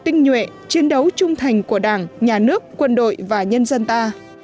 tinh nhuệ chiến đấu trung thành của đảng nhà nước quân đội và nhân dân ta